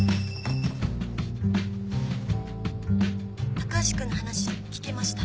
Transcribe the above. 高橋君の話聞きました。